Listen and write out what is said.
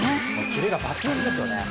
キレが抜群ですよね。